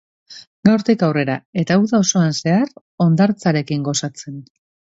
Gaurtik aurrera, eta uda osoan zehar, hondartzarekin gozatzen.